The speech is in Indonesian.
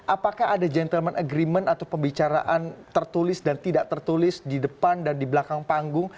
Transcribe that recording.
apakah ada gentleman agreement atau pembicaraan tertulis dan tidak tertulis di depan dan di belakang panggung